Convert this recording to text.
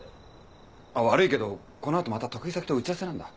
あっ悪いけどこのあとまた得意先と打ち合わせなんだ。